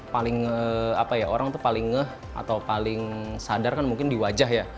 paling orang itu paling ngeh atau paling sadar kan mungkin di wajah ya